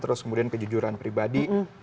terus kemudian kejujuran pribadi